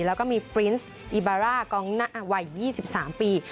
แล้วก็มีปรินส์อิบาร่ากองหน้าวัย๒๓ปี